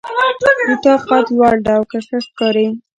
د تا قد لوړ ده او ښه ښکاري